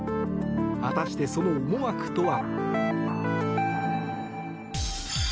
果たして、その思惑とは。